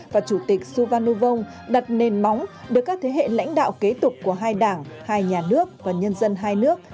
và chủ tịch su van nu vong đặt nền móng được các thế hệ lãnh đạo kế tục của hai đảng hai nhà nước và nhân dân hai nước